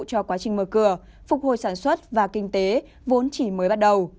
cho quá trình mở cửa phục hồi sản xuất và kinh tế vốn chỉ mới bắt đầu